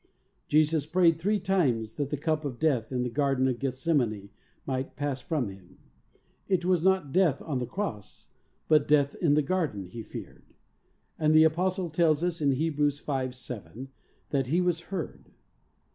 Jesus prayed three times that the cup of death in the garden of Gethsemane might pass from Him. It was not death on the Cross, but death in the garden He feared, and the apostle tells us, in Hebrews 5: 7, that he was heard.